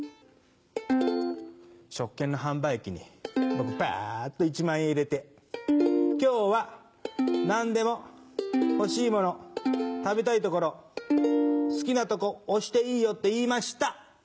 食券の販売機に、僕、ばーっと一万円入れて、きょうはなんでも、欲しいもの、食べたいところ、好きなところ、押していいよって言いました。